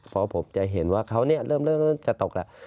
เพราะผมจะเห็นนะว่าเขาเนี่ยเริ่มจะตกละ